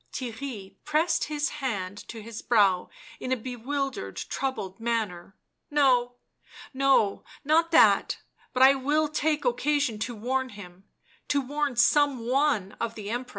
Theirry pressed his hand to his brow in a bewildered, troubled manner. " No, no, not that ; but I will take occasion to warn him — to warn some one of the 'Empress."